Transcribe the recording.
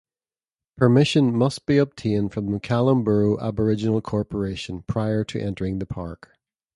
Permission must be obtained from the Kalumburu Aboriginal Corporation prior to entering the park.